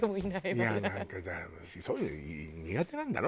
いやなんかそういうの苦手なんだろ？